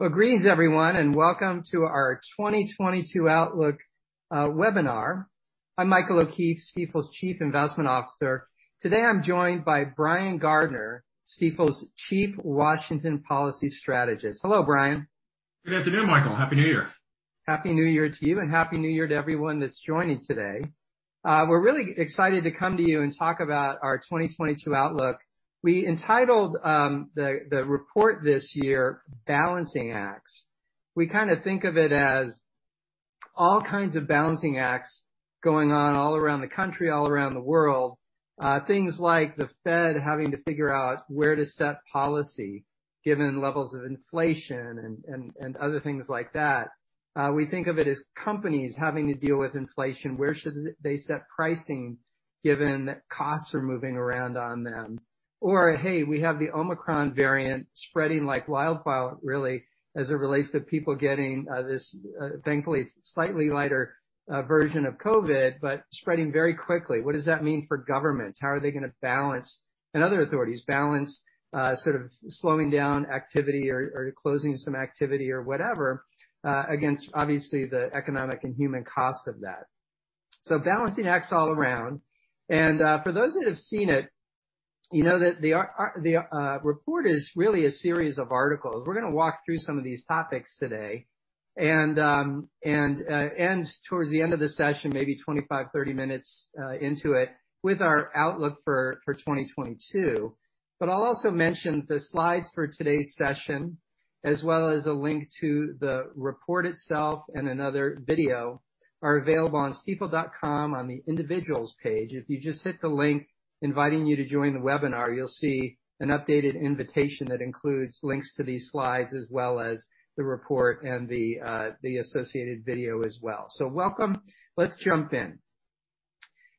Well, greetings everyone, and welcome to our 2022 outlook webinar. I'm Michael O'Keeffe, Stifel's Chief Investment Officer. Today, I'm joined by Brian Gardner, Stifel's Chief Washington Policy Strategist. Hello, Brian. Good afternoon, Michael. Happy New Year. Happy New Year to you, and Happy New Year to everyone that's joining today. We're really excited to come to you and talk about our 2022 outlook. We entitled the report this year Balancing Acts. We kinda think of it as all kinds of balancing acts going on all around the country, all around the world. Things like the Fed having to figure out where to set policy given levels of inflation and other things like that. We think of it as companies having to deal with inflation. Where should they set pricing given costs are moving around on them? Hey, we have the Omicron variant spreading like wildfire, really, as it relates to people getting this, thankfully slightly lighter version of COVID, but spreading very quickly. What does that mean for governments? How are they gonna balance, and other authorities, balance sort of slowing down activity or closing some activity or whatever against obviously the economic and human cost of that. So Balancing Acts all around. For those that have seen it, you know that the report is really a series of articles. We're gonna walk through some of these topics today and end towards the end of the session, maybe 25, 30 minutes into it, with our outlook for 2022. I'll also mention the slides for today's session, as well as a link to the report itself and another video are available on stifel.com on the individuals page. If you just hit the link inviting you to join the webinar, you'll see an updated invitation that includes links to these slides as well as the report and the associated video as well. Welcome. Let's jump in.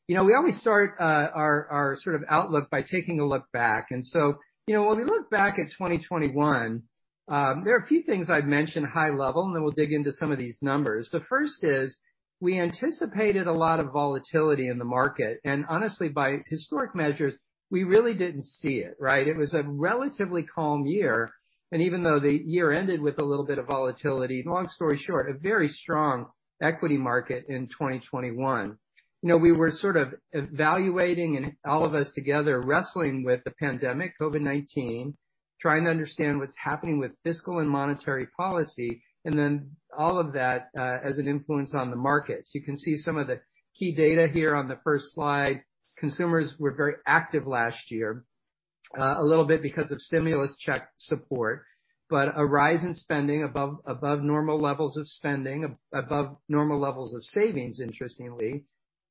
You know, we always start our sort of outlook by taking a look back. You know, when we look back at 2021, there are a few things I'd mention high level, and then we'll dig into some of these numbers. The first is we anticipated a lot of volatility in the market, and honestly, by historic measures, we really didn't see it, right? It was a relatively calm year, and even though the year ended with a little bit of volatility, long story short, a very strong equity market in 2021. You know, we were sort of evaluating and all of us together wrestling with the pandemic, COVID-19, trying to understand what's happening with fiscal and monetary policy, and then all of that, as an influence on the markets. You can see some of the key data here on the first slide. Consumers were very active last year, a little bit because of stimulus check support, but a rise in spending above normal levels of spending, above normal levels of savings, interestingly.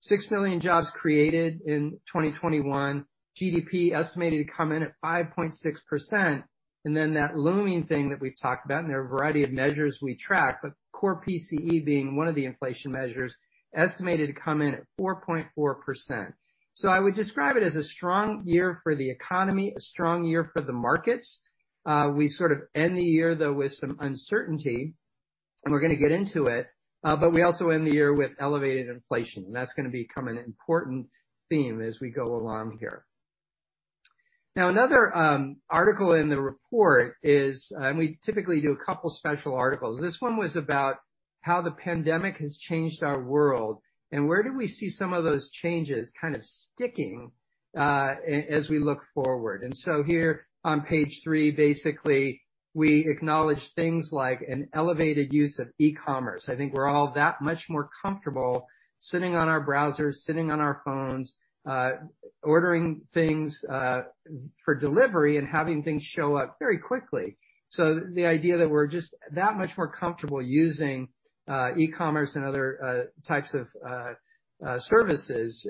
6 million jobs created in 2021. GDP estimated to come in at 5.6%. That looming thing that we've talked about, and there are a variety of measures we track, but core PCE being one of the inflation measures, estimated to come in at 4.4%. I would describe it as a strong year for the economy, a strong year for the markets. We sort of end the year, though, with some uncertainty, and we're gonna get into it. We also end the year with elevated inflation, and that's gonna become an important theme as we go along here. Now, another article in the report is, and we typically do a couple special articles. This one was about how the pandemic has changed our world, and where do we see some of those changes kind of sticking, as we look forward. Here on page three, basically we acknowledge things like an elevated use of e-commerce. I think we're all that much more comfortable sitting on our browsers, sitting on our phones, ordering things, for delivery and having things show up very quickly. The idea that we're just that much more comfortable using e-commerce and other types of services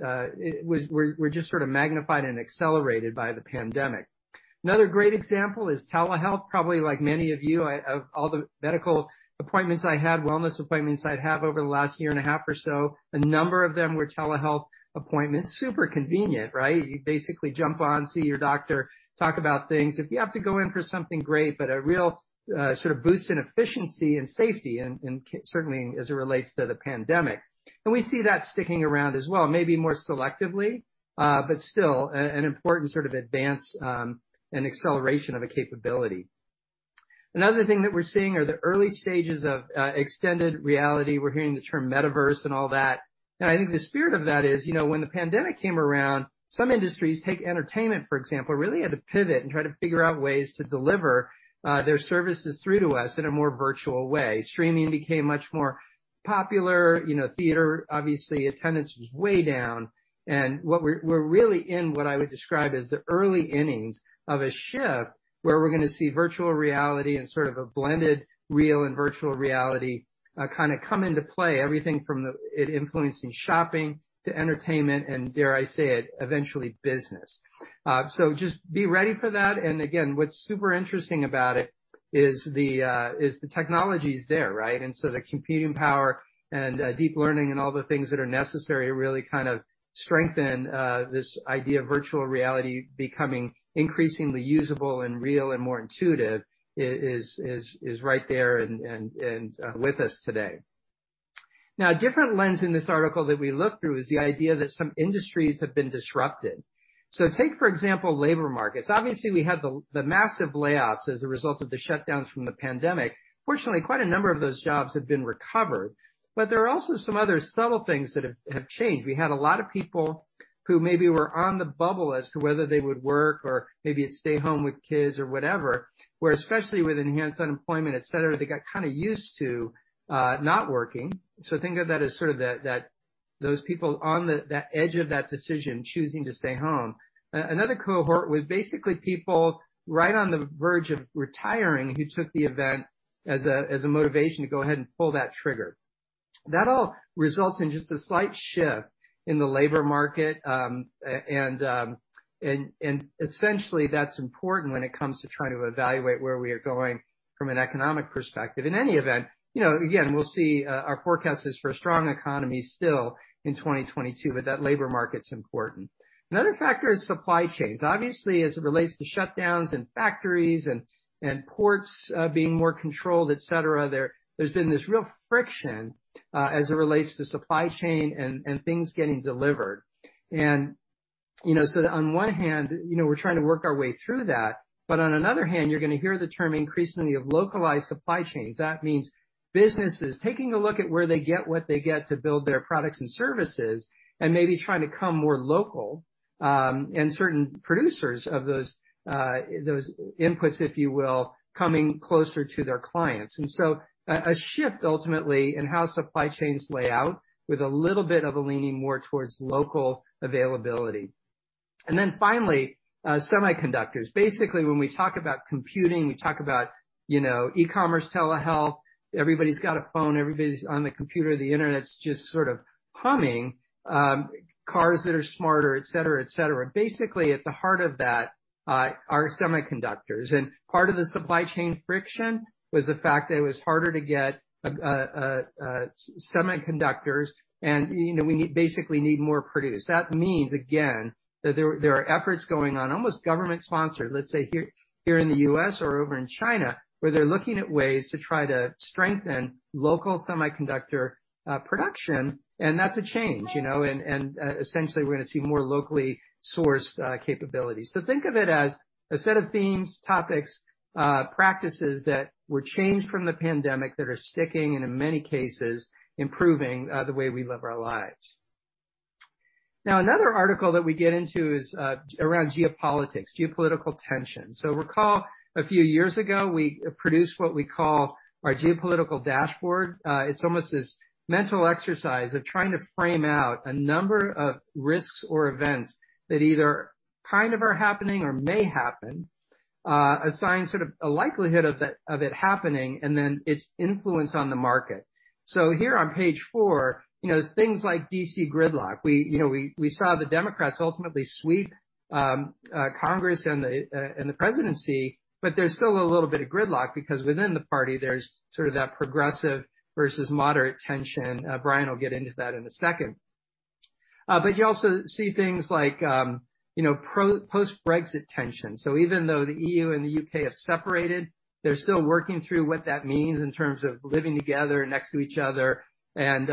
were just sort of magnified and accelerated by the pandemic. Another great example is telehealth. Probably like many of you, I, of all the medical appointments I had, wellness appointments I'd have over the last year and a half or so, a number of them were telehealth appointments. Super convenient, right? You basically jump on, see your doctor, talk about things. If you have to go in for something, great, but a real sort of boost in efficiency and safety and certainly as it relates to the pandemic. We see that sticking around as well, maybe more selectively, but still, an important sort of advance and acceleration of a capability. Another thing that we're seeing are the early stages of extended reality. We're hearing the term metaverse and all that. I think the spirit of that is, you know, when the pandemic came around, some industries, take entertainment, for example, really had to pivot and try to figure out ways to deliver their services through to us in a more virtual way. Streaming became much more popular. You know, theater, obviously, attendance was way down. What we're really in what I would describe as the early innings of a shift where we're gonna see virtual reality and sort of a blended real and virtual reality, kinda come into play, everything from it influencing shopping to entertainment and, dare I say it, eventually business. Just be ready for that. Again, what's super interesting about it is the technology's there, right? The computing power and deep learning and all the things that are necessary to really kind of strengthen this idea of virtual reality becoming increasingly usable and real and more intuitive is right there and with us today. Now, a different lens in this article that we look through is the idea that some industries have been disrupted. Take, for example, labor markets. Obviously, we had the massive layoffs as a result of the shutdowns from the pandemic. Fortunately, quite a number of those jobs have been recovered, but there are also some other subtle things that have changed. We had a lot of people who maybe were on the bubble as to whether they would work or maybe stay home with kids or whatever, where especially with enhanced unemployment, et cetera, they got kinda used to not working. Think of that as sort of those people on that edge of that decision choosing to stay home. Another cohort was basically people right on the verge of retiring, who took the event as a motivation to go ahead and pull that trigger. That all results in just a slight shift in the labor market, and essentially that's important when it comes to trying to evaluate where we are going from an economic perspective. In any event, you know, again, we'll see, our forecast is for a strong economy still in 2022, but that labor market's important. Another factor is supply chains. Obviously, as it relates to shutdowns and factories and ports being more controlled, et cetera, there's been this real friction as it relates to supply chain and things getting delivered. You know, so on one hand, you know, we're trying to work our way through that, but on another hand, you're gonna hear the term increasingly of localized supply chains. That means businesses taking a look at where they get what they get to build their products and services, and maybe trying to come more local, and certain producers of those inputs, if you will, coming closer to their clients. A shift ultimately in how supply chains lay out with a little bit of a leaning more towards local availability. Finally, semiconductors. Basically, when we talk about computing, we talk about, you know, e-commerce, telehealth, everybody's got a phone, everybody's on the computer, the Internet's just sort of humming, cars that are smarter, et cetera, et cetera. Basically, at the heart of that, are semiconductors. Part of the supply chain friction was the fact that it was harder to get semiconductors and, you know, we basically need more produced. That means, again, that there are efforts going on, almost government-sponsored, let's say here in the U.S. or over in China, where they're looking at ways to try to strengthen local semiconductor production, and that's a change, you know. Essentially, we're gonna see more locally sourced capabilities. Think of it as a set of themes, topics, practices that were changed from the pandemic that are sticking, and in many cases, improving the way we live our lives. Now, another article that we get into is around geopolitics, geopolitical tension. Recall a few years ago, we produced what we call our geopolitical dashboard. It's almost this mental exercise of trying to frame out a number of risks or events that either kind of are happening or may happen, assign sort of a likelihood of it happening, and then its influence on the market. So here on page four, you know, things like D.C. gridlock. We, you know, saw the Democrats ultimately sweep Congress and the presidency, but there's still a little bit of gridlock because within the party, there's sort of that progressive versus moderate tension. Brian will get into that in a second. But you also see things like, you know, post-Brexit tension. Even though the EU and the U.K. have separated, they're still working through what that means in terms of living together next to each other, and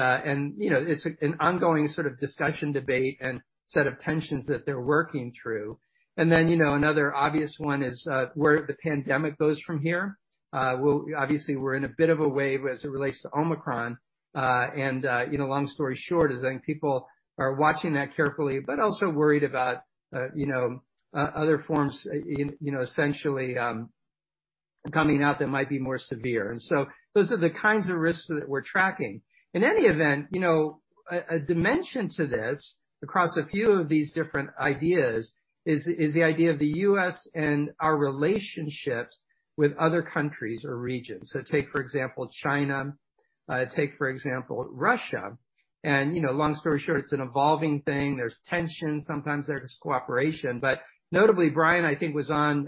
you know, it's an ongoing sort of discussion, debate, and set of tensions that they're working through. You know, another obvious one is where the pandemic goes from here. Obviously, we're in a bit of a wave as it relates to Omicron, and you know, long story short is I think people are watching that carefully, but also worried about you know, other forms, you know, essentially, coming out that might be more severe. Those are the kinds of risks that we're tracking. In any event, you know, a dimension to this across a few of these different ideas is the idea of the U.S. and our relationships with other countries or regions. Take, for example, China. Take, for example, Russia. You know, long story short, it's an evolving thing. There's tension. Sometimes there's cooperation. Notably, Brian, I think was on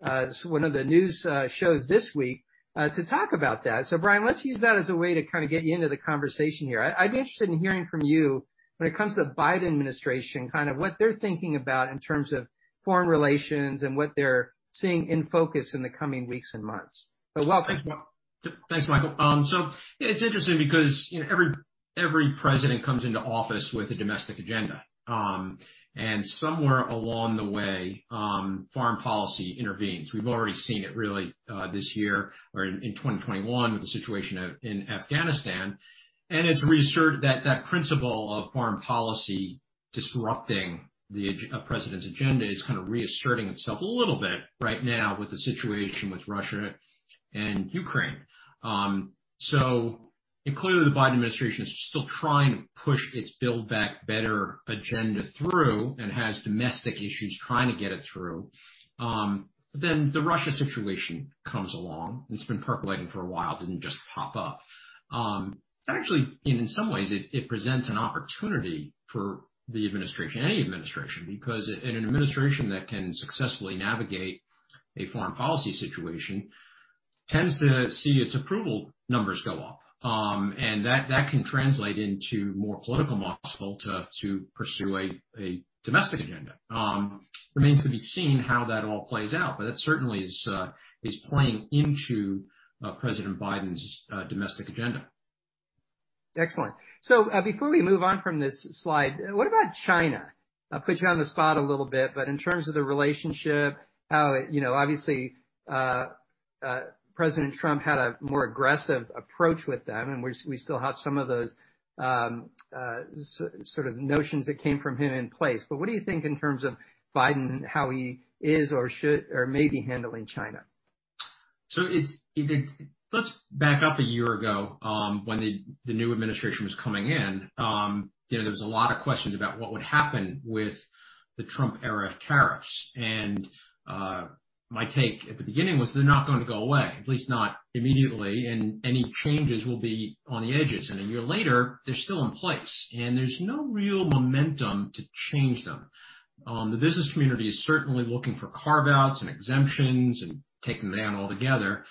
one of the news shows this week to talk about that. Brian, let's use that as a way to kind of get you into the conversation here. I'd be interested in hearing from you when it comes to the Biden administration, kind of what they're thinking about in terms of foreign relations and what they're seeing in focus in the coming weeks and months. Welcome. Thanks, Michael. It's interesting because, you know, every president comes into office with a domestic agenda. Somewhere along the way, foreign policy intervenes. We've already seen it really this year or in 2021 with the situation out in Afghanistan. It's reassert that principle of foreign policy disrupting a president's agenda is kind of reasserting itself a little bit right now with the situation with Russia and Ukraine. Clearly, the Biden administration is still trying to push its Build Back Better agenda through and has domestic issues trying to get it through. The Russia situation comes along. It's been percolating for a while. It didn't just pop up. Actually, in some ways, it presents an opportunity for the administration, any administration, because an administration that can successfully navigate a foreign policy situation tends to see its approval numbers go up. That can translate into more political muscle to pursue a domestic agenda. It remains to be seen how that all plays out, but that certainly is playing into President Biden's domestic agenda. Excellent. Before we move on from this slide, what about China? I'll put you on the spot a little bit, but in terms of the relationship, how, you know, obviously, President Trump had a more aggressive approach with them, and we still have some of those sort of notions that came from him in place. But what do you think in terms of Biden, how he is or should or may be handling China? Let's back up a year ago, when the new administration was coming in. You know, there was a lot of questions about what would happen with the Trump era tariffs. My take at the beginning was they're not gonna go away, at least not immediately, and any changes will be on the edges. A year later, they're still in place, and there's no real momentum to change them. The business community is certainly looking for carve-outs and exemptions and take them down altogether.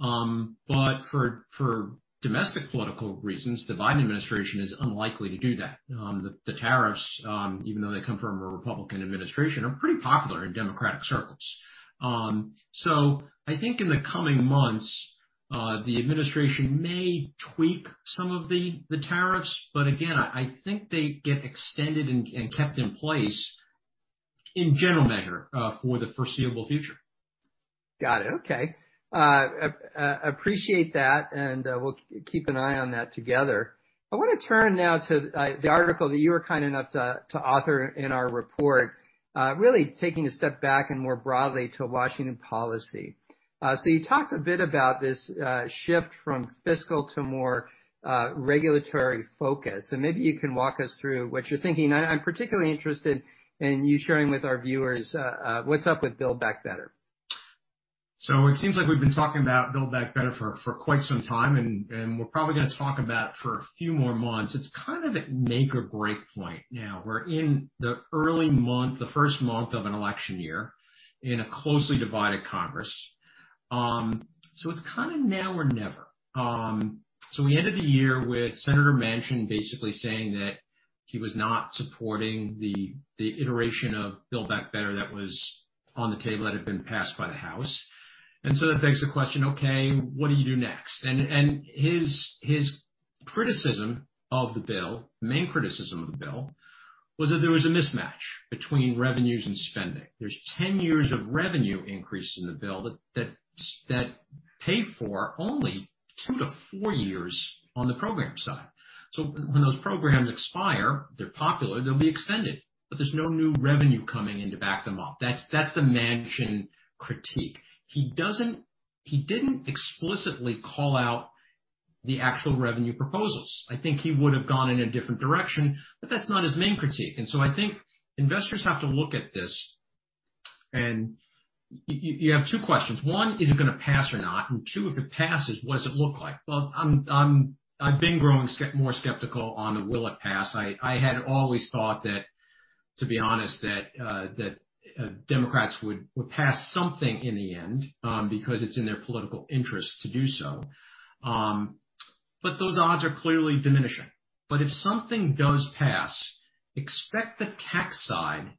For domestic political reasons, the Biden administration is unlikely to do that. The tariffs, even though they come from a Republican administration, are pretty popular in Democratic circles. I think in the coming months, the administration may tweak some of the tariffs, but again, I think they get extended and kept in place in general measure for the foreseeable future. Got it. Okay. Appreciate that, and we'll keep an eye on that together. I wanna turn now to the article that you were kind enough to author in our report, really taking a step back and more broadly to Washington policy. You talked a bit about this shift from fiscal to more regulatory focus, and maybe you can walk us through what you're thinking. I'm particularly interested in you sharing with our viewers what's up with Build Back Better. It seems like we've been talking about Build Back Better for quite some time, and we're probably gonna talk about it for a few more months. It's kind of at make or break point now. We're in the early month, the first month of an election year in a closely divided Congress. It's kind of now or never. We ended the year with Senator Manchin basically saying that he was not supporting the iteration of Build Back Better that was on the table that had been passed by the House. That begs the question, okay, what do you do next? His main criticism of the bill was that there was a mismatch between revenues and spending. There's 10 years of revenue increase in the bill that pay for only 2-4 years on the program side. When those programs expire, they're popular, they'll be extended, but there's no new revenue coming in to back them up. That's the Manchin critique. He didn't explicitly call out the actual revenue proposals. I think he would have gone in a different direction, but that's not his main critique. I think investors have to look at this and you have two questions. One, is it gonna pass or not? Two, if it passes, what does it look like? Well, I've been growing more skeptical on whether it will pass. I had always thought that, to be honest, that Democrats would pass something in the end, because it's in their political interest to do so. Those odds are clearly diminishing. If something does pass, expect the tax side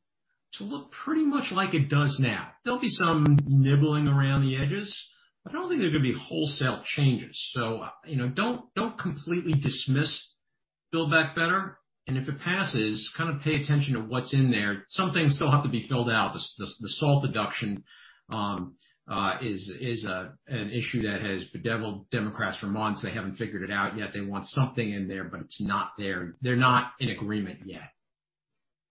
to look pretty much like it does now. There'll be some nibbling around the edges, but I don't think there are gonna be wholesale changes. You know, don't completely dismiss Build Back Better, and if it passes, kind of pay attention to what's in there. Some things still have to be filled out. The SALT deduction is an issue that has bedeviled Democrats for months. They haven't figured it out yet. They want something in there, but it's not there. They're not in agreement yet.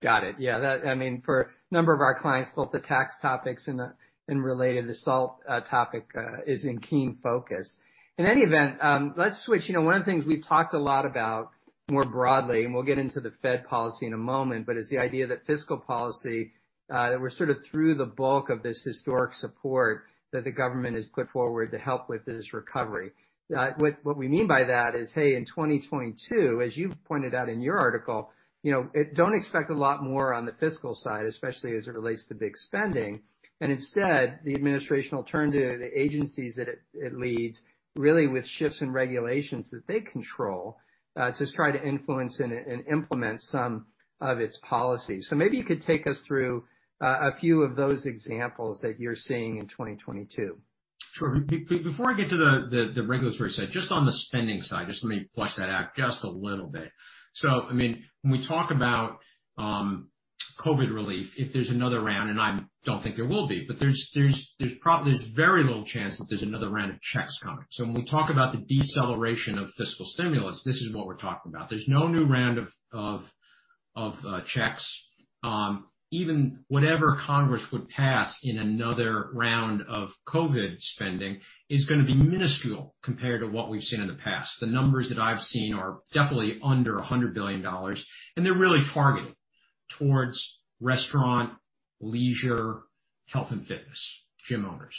Got it. Yeah, I mean, for a number of our clients, both the tax topics and related, the SALT topic is in keen focus. In any event, let's switch. You know, one of the things we've talked a lot about more broadly, and we'll get into the Fed policy in a moment, but is the idea that fiscal policy that we're sort of through the bulk of this historic support that the government has put forward to help with this recovery. What we mean by that is, hey, in 2022, as you pointed out in your article, you know, don't expect a lot more on the fiscal side, especially as it relates to big spending. Instead, the administration alternative, the agencies that it leads really with shifts in regulations that they control, to try to influence and implement some of its policies. Maybe you could take us through a few of those examples that you're seeing in 2022. Sure. Before I get to the regulatory side, just on the spending side, just let me flesh that out just a little bit. I mean, when we talk about COVID relief, if there's another round, and I don't think there will be, but there's very little chance that there's another round of checks coming. When we talk about the deceleration of fiscal stimulus, this is what we're talking about. There's no new round of checks. Even whatever Congress would pass in another round of COVID spending is gonna be minuscule compared to what we've seen in the past. The numbers that I've seen are definitely under $100 billion, and they're really targeted towards restaurant, leisure, health and fitness, gym owners.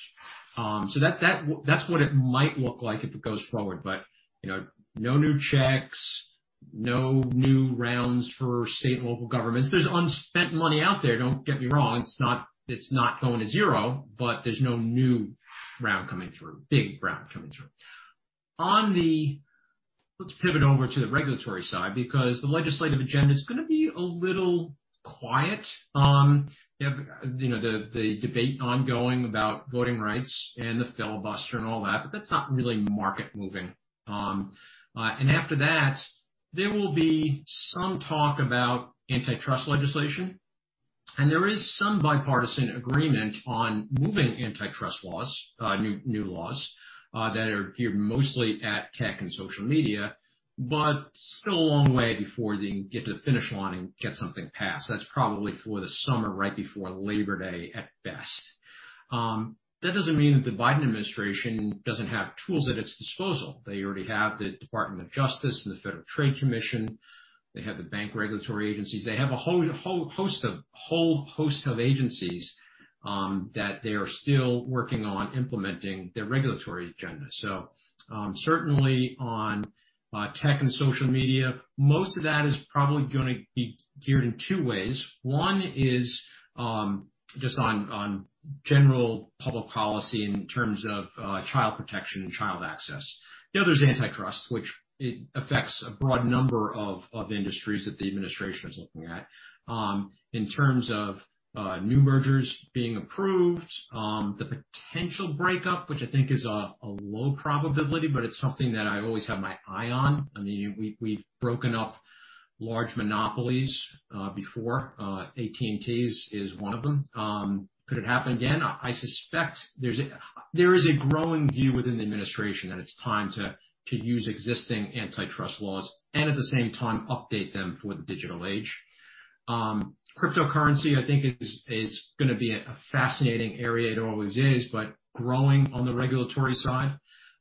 That's what it might look like if it goes forward. You know, no new checks, no new rounds for state and local governments. There's unspent money out there, don't get me wrong. It's not going to zero, but there's no new round coming through, big round. Let's pivot over to the regulatory side because the legislative agenda is gonna be a little quiet. The debate ongoing about voting rights and the filibuster and all that, but that's not really market-moving. After that, there will be some talk about antitrust legislation, and there is some bipartisan agreement on moving antitrust laws, new laws that are geared mostly at tech and social media, but still a long way before they get to the finish line and get something passed. That's probably for the summer, right before Labor Day at best. That doesn't mean that the Biden administration doesn't have tools at its disposal. They already have the Department of Justice and the Federal Trade Commission. They have the bank regulatory agencies. They have a whole host of agencies that they are still working on implementing their regulatory agenda. Certainly on tech and social media, most of that is probably gonna be geared in two ways. One is just on general public policy in terms of child protection and child access. The other is antitrust, which it affects a broad number of industries that the administration is looking at. In terms of new mergers being approved, the potential breakup, which I think is a low probability, but it's something that I always have my eye on. I mean, we've broken up large monopolies before. AT&T is one of them. Could it happen again? I suspect there is a growing view within the administration that it's time to use existing antitrust laws and at the same time update them for the digital age. Cryptocurrency, I think, is gonna be a fascinating area. It always is, but growing on the regulatory side,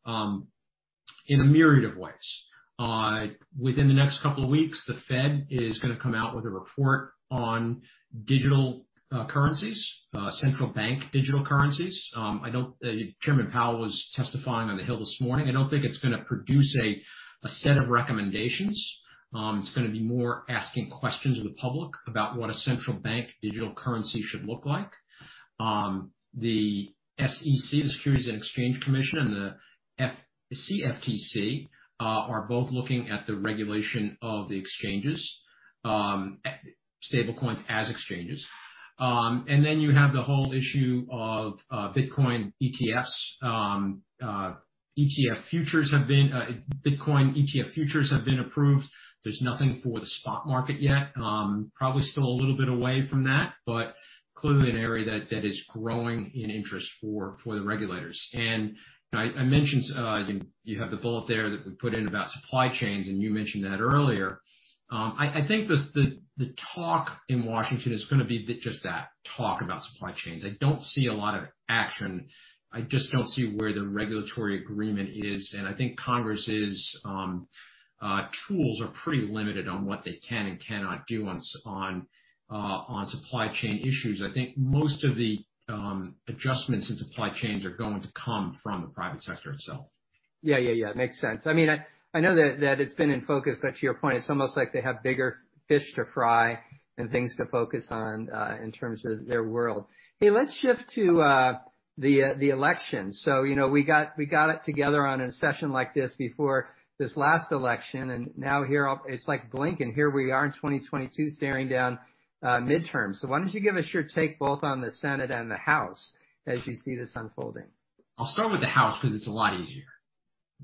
in a myriad of ways. Within the next couple of weeks, the Fed is gonna come out with a report on digital currencies, central bank digital currencies. Chairman Powell was testifying on the Hill this morning. I don't think it's gonna produce a set of recommendations. It's gonna be more asking questions of the public about what a central bank digital currency should look like. The SEC, the Securities and Exchange Commission, and the CFTC are both looking at the regulation of the exchanges, stablecoins as exchanges. Then you have the whole issue of Bitcoin ETFs. Bitcoin ETF futures have been approved. There's nothing for the spot market yet. Probably still a little bit away from that, but clearly an area that is growing in interest for the regulators. I mentioned, I think you have the bullet there that we put in about supply chains, and you mentioned that earlier. I think the talk in Washington is gonna be just that, talk about supply chains. I don't see a lot of action. I just don't see where the regulatory agreement is, and I think Congress's tools are pretty limited on what they can and cannot do on supply chain issues. I think most of the adjustments in supply chains are going to come from the private sector itself. Yeah, yeah. Makes sense. I mean, I know that it's been in focus, but to your point, it's almost like they have bigger fish to fry and things to focus on in terms of their world. Hey, let's shift to the election. You know, we got it together on a session like this before this last election, and now here it's, like, blink, and here we are in 2022 staring down midterms. Why don't you give us your take both on the Senate and the House as you see this unfolding? I'll start with the House 'cause it's a lot easier.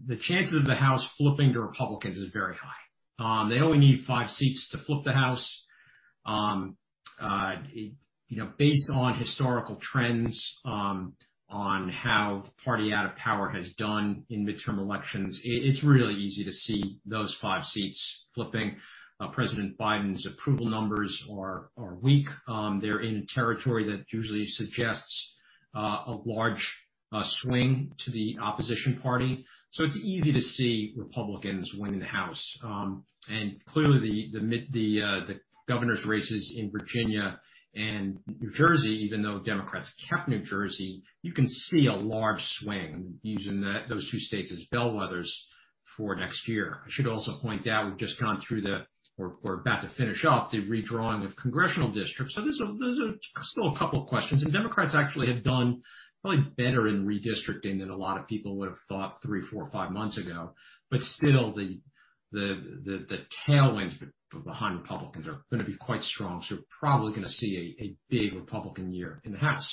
The chances of the House flipping to Republicans is very high. They only need five seats to flip the House. You know, based on historical trends, on how the party out of power has done in midterm elections, it's really easy to see those five seats flipping. President Biden's approval numbers are weak. They're in a territory that usually suggests a large swing to the opposition party. It's easy to see Republicans winning the House. Clearly the governor's races in Virginia and New Jersey, even though Democrats kept New Jersey, you can see a large swing using those two states as bellwethers for next year. I should also point out we've just gone through the, or we're about to finish up, the redrawing of congressional districts. There's still a couple of questions. Democrats actually have done probably better in redistricting than a lot of people would have thought three, four, five months ago. Still the tailwinds behind Republicans are gonna be quite strong, so you're probably gonna see a big Republican year in the House.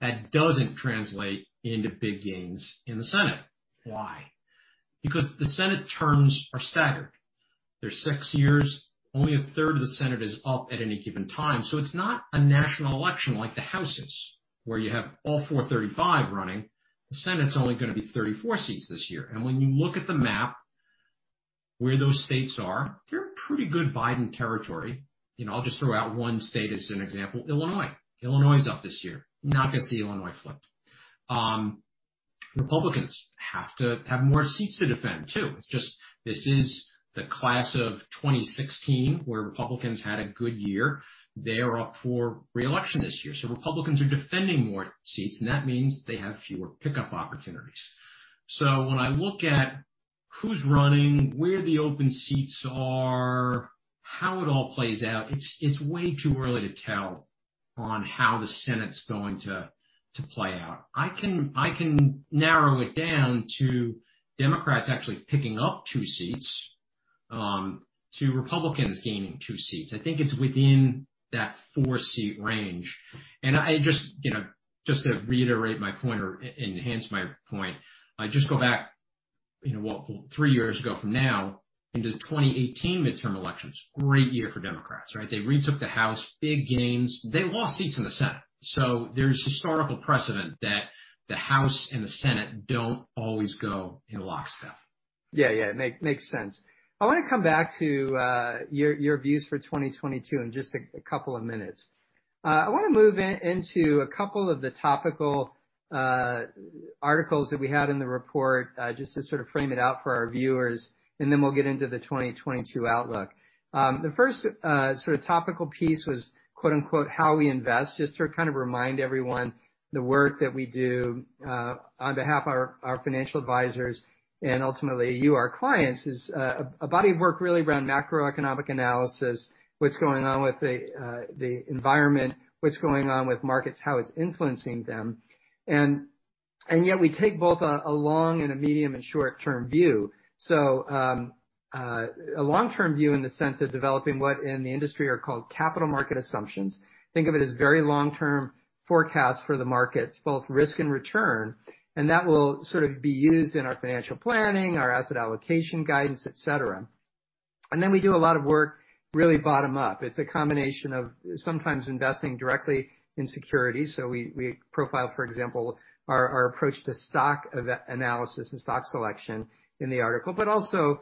That doesn't translate into big gains in the Senate. Why? Because the Senate terms are staggered. They're six years. Only a third of the Senate is up at any given time. It's not a national election like the House is, where you have all 435 running. The Senate's only gonna be 34 seats this year. When you look at the map, where those states are, they're pretty good Biden territory. You know, I'll just throw out one state as an example, Illinois. Illinois is up this year. Not gonna see Illinois flip. Republicans have to have more seats to defend, too. It's just this is the class of 2016, where Republicans had a good year. They are up for re-election this year. Republicans are defending more seats, and that means they have fewer pickup opportunities. When I look at who's running, where the open seats are, how it all plays out, it's way too early to tell on how the Senate's going to play out. I can narrow it down to Democrats actually picking up two seats to Republicans gaining two seats. I think it's within that four-seat range. I just, you know, just to reiterate my point or enhance my point, I just go back, you know what, three years ago from now into the 2018 midterm elections, great year for Democrats, right? They retook the House, big gains. They lost seats in the Senate. There's historical precedent that the House and the Senate don't always go in lockstep. Yeah. Makes sense. I wanna come back to your views for 2022 in just a couple of minutes. I wanna move into a couple of the topical articles that we had in the report, just to sort of frame it out for our viewers, and then we'll get into the 2022 outlook. The first sort of topical piece was "how we invest," just to kind of remind everyone the work that we do on behalf of our financial advisors, and ultimately, you, our clients, is a body of work really around macroeconomic analysis, what's going on with the environment, what's going on with markets, how it's influencing them. Yet we take both a long and a medium and short-term view. A long-term view in the sense of developing what in the industry are called capital market assumptions. Think of it as very long-term forecast for the markets, both risk and return, and that will sort of be used in our financial planning, our asset allocation guidance, et cetera. We do a lot of work really bottom-up. It is a combination of sometimes investing directly in securities. We profile, for example, our approach to stock analysis and stock selection in the article, but also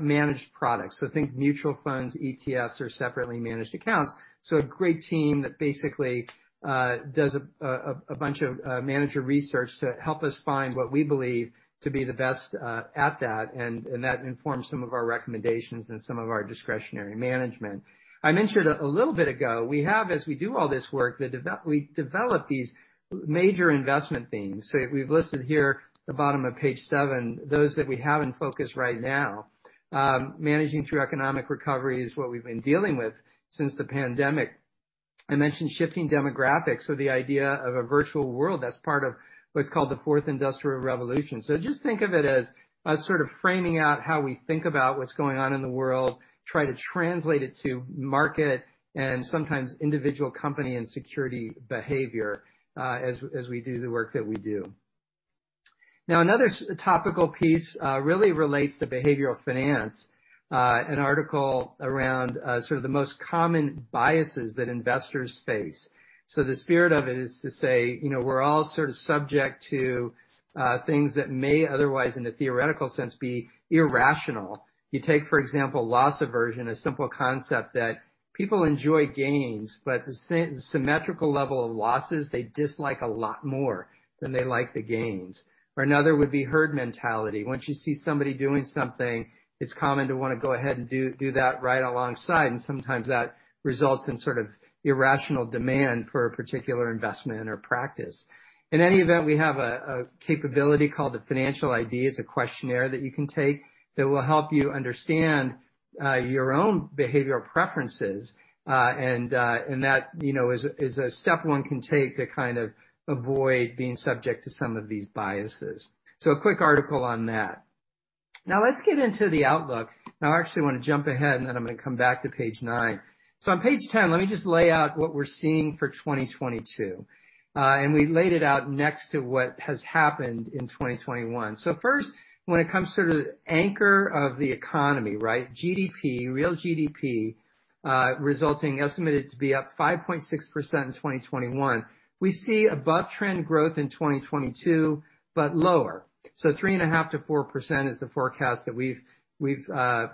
managed products. Think mutual funds, ETFs, or separately managed accounts. A great team that basically does a bunch of manager research to help us find what we believe to be the best at that, and that informs some of our recommendations and some of our discretionary management. I mentioned a little bit ago, we have, as we do all this work, we develop these major investment themes. We've listed here the bottom of page seven, those that we have in focus right now. Managing through economic recovery is what we've been dealing with since the pandemic. I mentioned shifting demographics, so the idea of a virtual world, that's part of what's called the Fourth Industrial Revolution. Just think of it as us sort of framing out how we think about what's going on in the world, try to translate it to market and sometimes individual company and security behavior, as we do the work that we do. Now, another topical piece really relates to behavioral finance. An article around sort of the most common biases that investors face. The spirit of it is to say, you know, we're all sort of subject to things that may otherwise, in a theoretical sense, be irrational. You take, for example, loss aversion, a simple concept that people enjoy gains, but the symmetrical level of losses, they dislike a lot more than they like the gains. Or another would be herd mentality. Once you see somebody doing something, it's common to wanna go ahead and do that right alongside, and sometimes that results in sort of irrational demand for a particular investment or practice. In any event, we have a capability called the Financial ID. It's a questionnaire that you can take that will help you understand your own behavioral preferences. And that, you know, is a step one can take to kind of avoid being subject to some of these biases. A quick article on that. Now, let's get into the outlook. I actually wanna jump ahead, and then I'm gonna come back to page nine. On page ten, let me just lay out what we're seeing for 2022. We laid it out next to what has happened in 2021. First, when it comes to the anchor of the economy, right? GDP, real GDP, is estimated to be up 5.6% in 2021. We see above trend growth in 2022, but lower. 3.5%-4% is the forecast that we've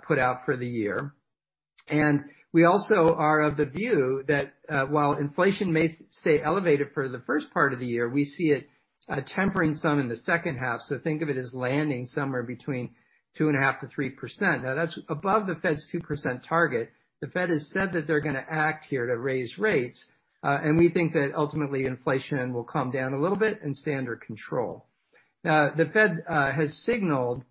put out for the year. We also are of the view that, while inflation may stay elevated for the first part of the year, we see it tempering some in the second half. Think of it as landing somewhere between 2.5%-3%. Now, that's above the Fed's 2% target. The Fed has said that they're gonna act here to raise rates, and we think that ultimately inflation will come down a little bit and stay under control. Now, the Fed has signaled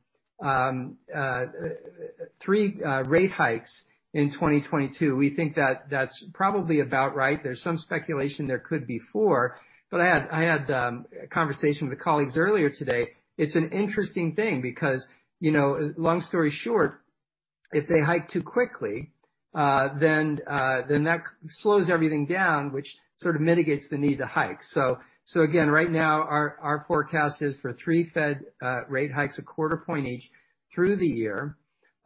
three rate hikes in 2022. We think that that's probably about right. There's some speculation there could be 4, but I had a conversation with colleagues earlier today. It's an interesting thing because, you know, long story short, if they hike too quickly, then that slows everything down, which sort of mitigates the need to hike. Again, right now our forecast is for 3 Fed rate hikes, a quarter point each through the year.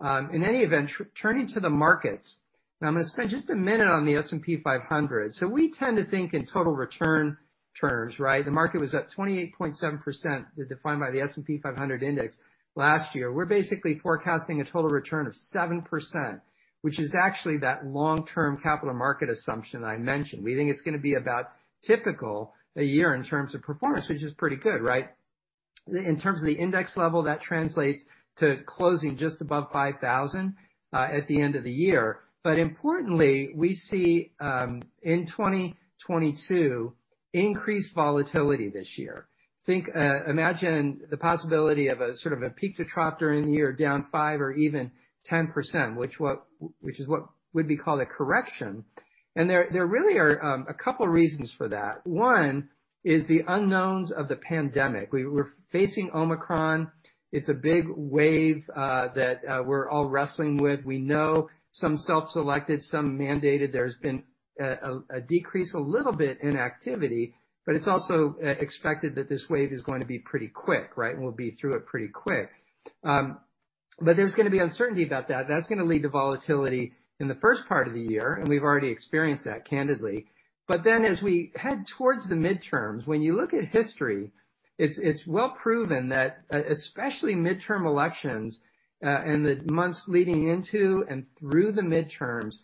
In any event, turning to the markets. Now, I'm gonna spend just a minute on the S&P 500. We tend to think in total return terms, right? The market was up 28.7%, defined by the S&P 500 index last year. We're basically forecasting a total return of 7%, which is actually that long-term capital market assumption I mentioned. We think it's gonna be about a typical year in terms of performance, which is pretty good, right? In terms of the index level, that translates to closing just above 5,000 at the end of the year. Importantly, we see in 2022 increased volatility this year. Imagine the possibility of a sort of a peak-to-trough during the year down 5% or even 10%, which is what would be called a correction. There really are a couple of reasons for that. One is the unknowns of the pandemic. We're facing Omicron. It's a big wave that we're all wrestling with. We know some self-selected, some mandated. There's been a decrease a little bit in activity, but it's also expected that this wave is going to be pretty quick, right? We'll be through it pretty quick. But there's gonna be uncertainty about that. That's gonna lead to volatility in the first part of the year, and we've already experienced that candidly. As we head towards the midterms, when you look at history, it's well proven that especially midterm elections in the months leading into and through the midterms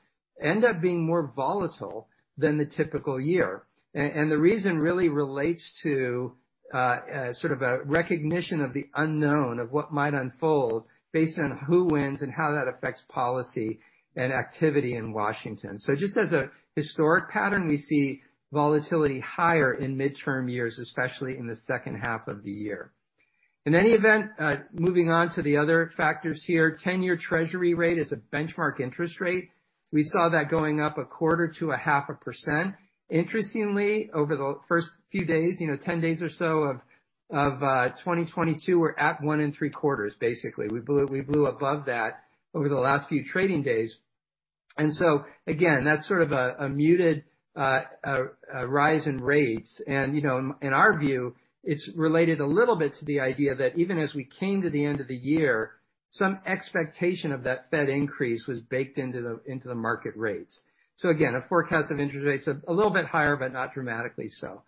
end up being more volatile than the typical year. The reason really relates to sort of a recognition of the unknown of what might unfold based on who wins and how that affects policy and activity in Washington. Just as a historic pattern, we see volatility higher in midterm years, especially in the second half of the year. In any event, moving on to the other factors here, 10-year Treasury rate is a benchmark interest rate. We saw that going up a quarter to a half a percent. Interestingly, over the first few days, you know, 10 days or so of 2022, we're at 1.75%, basically. We blew above that over the last few trading days. Again, that's sort of a muted rise in rates. You know, in our view, it's related a little bit to the idea that even as we came to the end of the year, some expectation of that Fed increase was baked into the market rates. Again, a forecast of interest rates a little bit higher, but not dramatically so.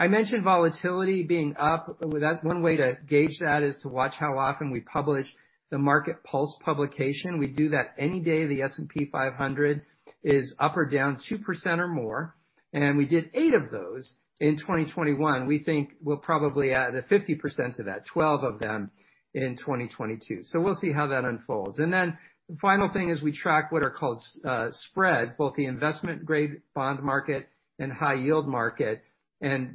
I mentioned volatility being up. That's one way to gauge that is to watch how often we publish the Market Pulse publication. We do that any day the S&P 500 is up or down 2% or more. We did eight of those in 2021. We think we'll probably add 50% to that, 12 of them in 2022. We'll see how that unfolds. Then the final thing is we track what are called spreads, both the investment-grade bond market and high yield market.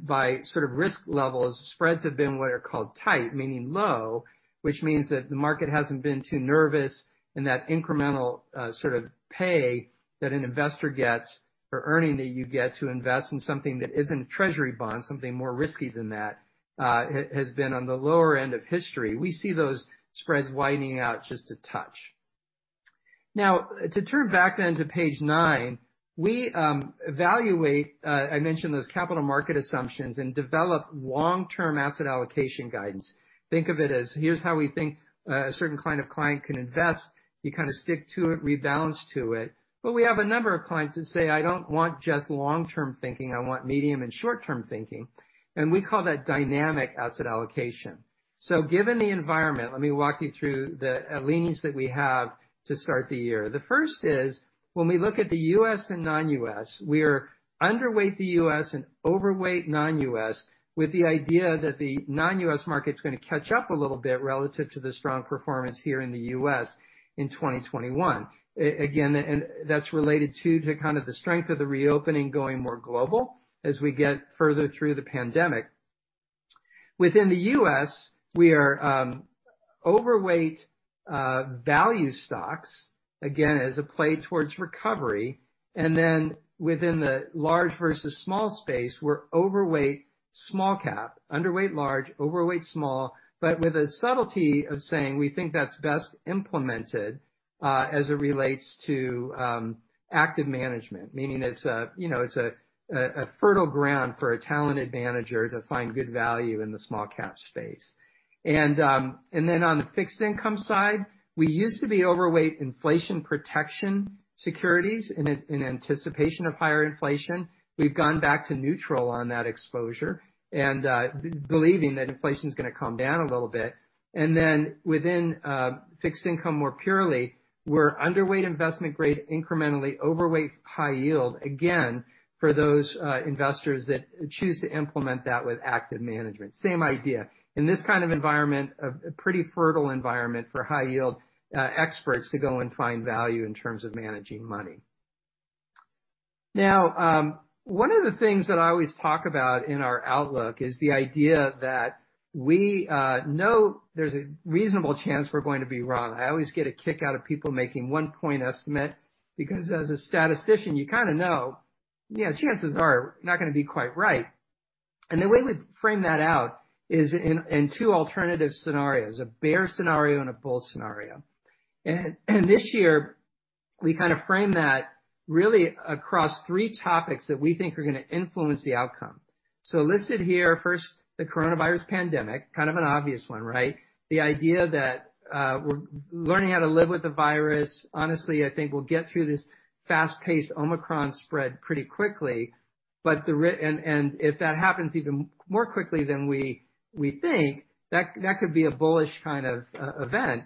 By sort of risk levels, spreads have been what are called tight, meaning low, which means that the market hasn't been too nervous in that incremental sort of pay that an investor gets or earning that you get to invest in something that isn't Treasury bonds, something more risky than that, has been on the lower end of history. We see those spreads widening out just a touch. Now, to turn back then to page nine, we evaluate, I mentioned those capital market assumptions, and develop long-term asset allocation guidance. Think of it as here's how we think a certain kind of client can invest. You kind of stick to it, rebalance to it. But we have a number of clients that say, I don't want just long-term thinking. I want medium and short-term thinking. We call that dynamic asset allocation. Given the environment, let me walk you through the leanings that we have to start the year. The first is when we look at the U.S. and non-U.S., we are underweight the U.S. and overweight non-U.S. with the idea that the non-U.S. market is gonna catch up a little bit relative to the strong performance here in the U.S. in 2021. Again, and that's related too to kind of the strength of the reopening going more global as we get further through the pandemic. Within the U.S., we are overweight value stocks, again, as a play towards recovery. Then within the large versus small space, we're overweight small cap, underweight large, overweight small, but with a subtlety of saying we think that's best implemented as it relates to active management. Meaning it's a, you know, fertile ground for a talented manager to find good value in the small cap space. Then on the fixed income side, we used to be overweight inflation protection securities in anticipation of higher inflation. We've gone back to neutral on that exposure and believing that inflation is gonna calm down a little bit. Then within fixed income more purely, we're underweight investment grade, incrementally overweight high yield. Again, for those investors that choose to implement that with active management. Same idea. In this kind of environment, a pretty fertile environment for high yield experts to go and find value in terms of managing money. Now, one of the things that I always talk about in our outlook is the idea that we know there's a reasonable chance we're going to be wrong. I always get a kick out of people making one point estimate, because as a statistician, you kind of know, yeah, chances are not going to be quite right. The way we frame that out is in two alternative scenarios, a bear scenario and a bull scenario. This year, we kind of frame that really across three topics that we think are going to influence the outcome. Listed here, first, the coronavirus pandemic, kind of an obvious one, right? The idea that we're learning how to live with the virus. Honestly, I think we'll get through this fast-paced Omicron spread pretty quickly. if that happens even more quickly than we think, that could be a bullish kind of event.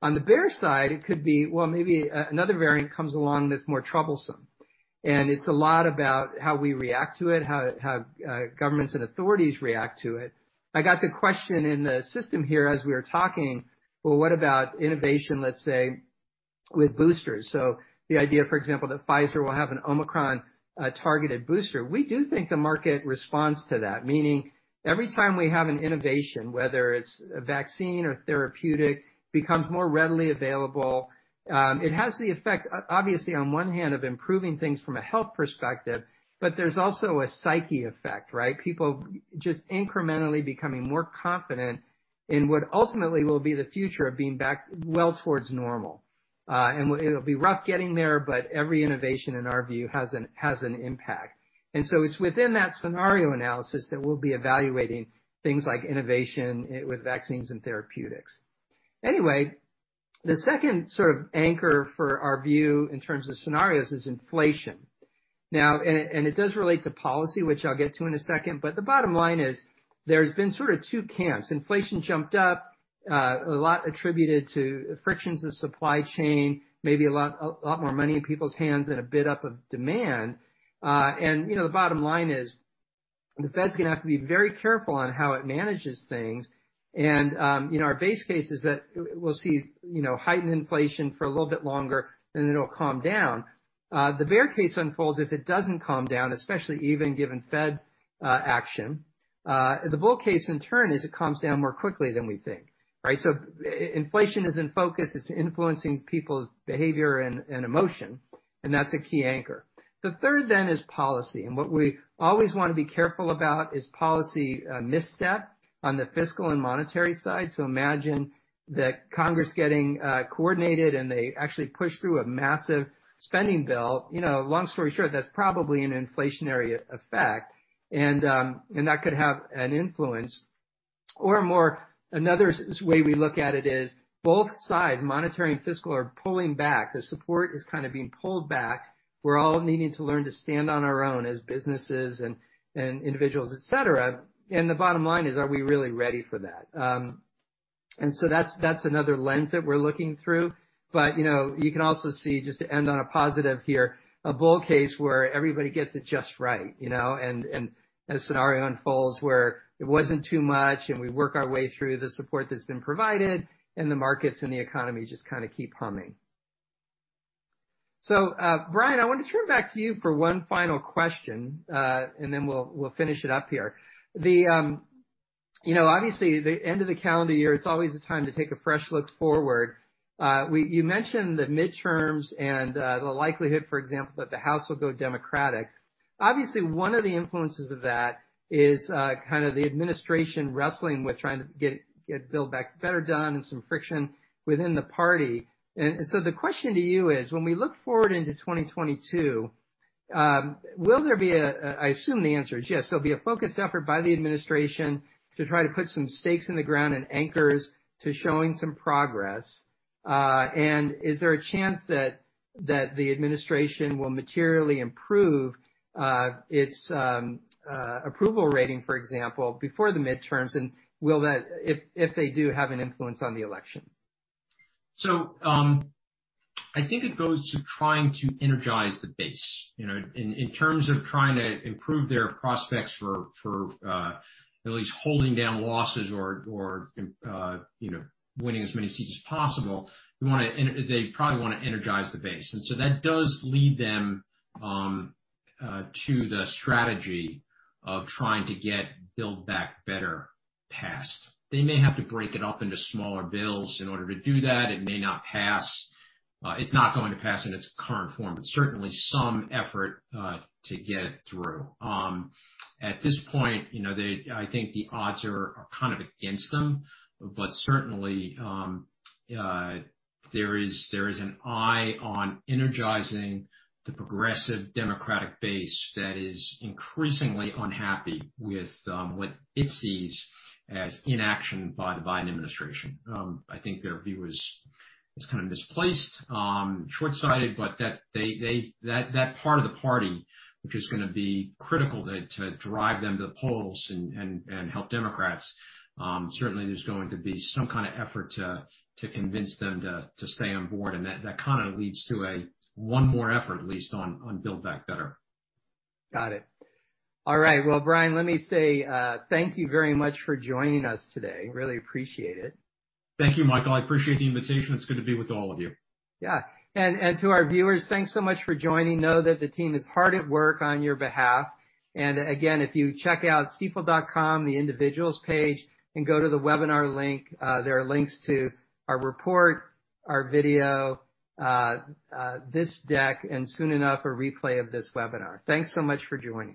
On the bear side, it could be, well, maybe another variant comes along that's more troublesome. It's a lot about how we react to it, how governments and authorities react to it. I got the question in the system here as we are talking, well, what about innovation, let's say, with boosters. The idea, for example, that Pfizer will have an Omicron targeted booster. We do think the market responds to that, meaning every time we have an innovation, whether it's a vaccine or therapeutic, becomes more readily available, it has the effect, obviously on one hand, of improving things from a health perspective, but there's also a psyche effect, right? People just incrementally becoming more confident in what ultimately will be the future of being back well towards normal. It'll be rough getting there, but every innovation, in our view, has an impact. It's within that scenario analysis that we'll be evaluating things like innovation with vaccines and therapeutics. Anyway, the second sort of anchor for our view in terms of scenarios is inflation. It does relate to policy, which I'll get to in a second, but the bottom line is there's been sort of two camps. Inflation jumped up a lot attributed to frictions in supply chain, maybe a lot more money in people's hands and a bid up of demand. You know, the bottom line is the Fed's gonna have to be very careful on how it manages things. You know, our base case is that we'll see, you know, heightened inflation for a little bit longer and then it'll calm down. The bear case unfolds if it doesn't calm down, especially even given Fed action. The bull case in turn is it calms down more quickly than we think, right? Inflation is in focus. It's influencing people's behavior and emotion, and that's a key anchor. The third then is policy, and what we always wanna be careful about is policy misstep on the fiscal and monetary side. Imagine that Congress getting coordinated, and they actually push through a massive spending bill. You know, long story short, that's probably an inflationary effect, and that could have an influence. Another way we look at it is both sides, monetary and fiscal, are pulling back. The support is kind of being pulled back. We're all needing to learn to stand on our own as businesses and individuals, et cetera. The bottom line is, are we really ready for that? That's another lens that we're looking through. You know, you can also see, just to end on a positive here, a bull case where everybody gets it just right, you know. A scenario unfolds where it wasn't too much, and we work our way through the support that's been provided, and the markets and the economy just kinda keep humming. Brian, I want to turn back to you for one final question, and then we'll finish it up here. You know, obviously the end of the calendar year, it's always the time to take a fresh look forward. You mentioned the midterms and the likelihood, for example, that the House will go Democratic. Obviously, one of the influences of that is kind of the administration wrestling with trying to get Build Back Better done and some friction within the party. The question to you is, when we look forward into 2022, I assume the answer is yes. There'll be a focused effort by the administration to try to put some stakes in the ground and anchors to showing some progress. Is there a chance that the administration will materially improve its approval rating, for example, before the midterms? Will that, if they do, have an influence on the election? I think it goes to trying to energize the base. You know, in terms of trying to improve their prospects for at least holding down losses or you know, winning as many seats as possible, they probably wanna energize the base. That does lead them to the strategy of trying to get Build Back Better passed. They may have to break it up into smaller bills in order to do that. It may not pass. It's not going to pass in its current form, but certainly some effort to get it through. At this point, you know, I think the odds are kind of against them. Certainly, there is an eye on energizing the progressive Democratic base that is increasingly unhappy with what it sees as inaction by the Biden administration. I think their view is kind of misplaced, shortsighted, but that part of the party, which is gonna be critical to drive them to the polls and help Democrats, certainly there's going to be some kind of effort to convince them to stay on board. That kind of leads to one more effort, at least on Build Back Better. Got it. All right. Well, Brian, let me say, thank you very much for joining us today. Really appreciate it. Thank you, Michael. I appreciate the invitation. It's good to be with all of you. To our viewers, thanks so much for joining. Know that the team is hard at work on your behalf. Again, if you check out stifel.com, the individuals page, and go to the webinar link, there are links to our report, our video, this deck, and soon enough, a replay of this webinar. Thanks so much for joining.